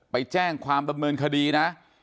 ไปแจ้งความดำเนินคดีนะ